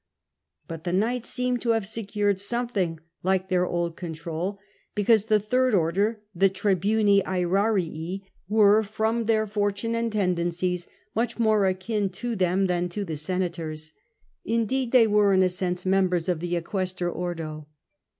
But the knights seem to have secured something like their old control, because the third order, the tribuni aerarii were, from their fortune and tendencies, much more akin to them than to the senators : indeed, they were in a senso members of the Eguester Or do.